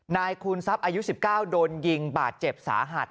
นายคูณทรัพย์อายุ๑๙โดนยิงบาดเจ็บสาหัส